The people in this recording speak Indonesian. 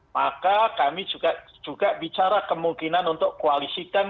maka kami juga bicara kemungkinan untuk koalisikan